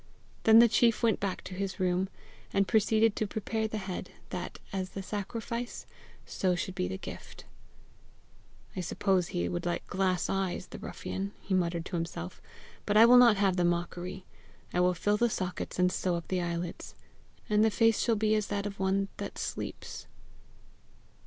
Then the chief went back to his room, and proceeded to prepare the head, that, as the sacrifice, so should be the gift. "I suppose he would like glass eyes, the ruffian!" he muttered to himself, "but I will not have the mockery. I will fill the sockets and sew up the eyelids, and the face shall be as of one that sleeps."